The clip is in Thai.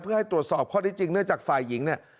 เพื่อให้ตรวจสอบข้อได้จริงเนื่องจากฝ่ายหญิงเนี่ย